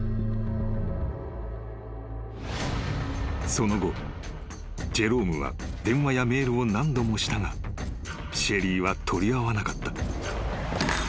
［その後ジェロームは電話やメールを何度もしたがシェリーは取り合わなかった］